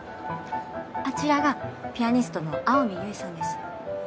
あちらがピアニストの青海唯衣さんです。